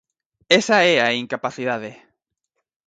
Esa é a incapacidade.